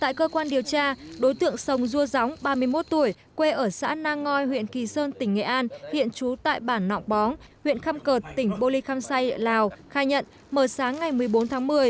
tại cơ quan điều tra đối tượng sông dua gióng ba mươi một tuổi quê ở xã nang ngoi huyện kỳ sơn tỉnh nghệ an hiện trú tại bản nọng bóng huyện khâm cợt tỉnh bô ly khăm say lào khai nhận mở sáng ngày một mươi bốn tháng một mươi